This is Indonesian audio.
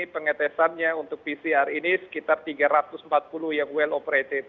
pengetesannya untuk pcr ini sekitar tiga ratus empat puluh yang well operated